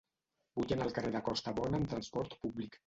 Vull anar al carrer de Costabona amb trasport públic.